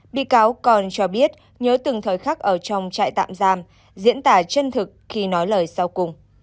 bị cáo còn cho biết nhớ từng thời khắc ở trong trại tạm giam diễn tả chân thực khi nói lời sau cùng